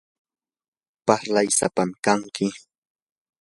parlay sapam kanki.